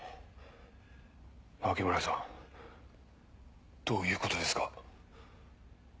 牧村さんどういうことですか？